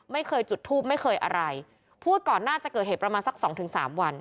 ไม่เคยจุดทูปไม่เคยอะไรพูดก่อนน่าจะเกิดเหตุประมาณสักสองถึงสามวัน